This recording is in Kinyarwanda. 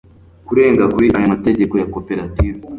kurenga kuri aya mategeko ya koperative